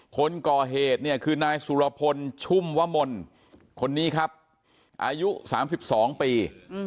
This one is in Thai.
คนก่อเหตุเนี่ยคือนายสุรพลชุ่มวมลคนนี้ครับอายุ๓๒ปี